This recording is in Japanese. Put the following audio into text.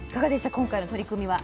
今回の取り組みは。